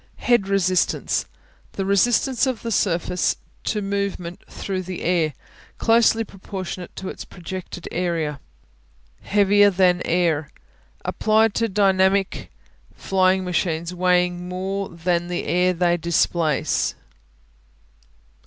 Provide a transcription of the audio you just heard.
Head Resistance The resistance of a surface to movement through the air; closely proportionate to its projected area. Heavier than air Applied to dynamic flying machines weighing more than the air they displace.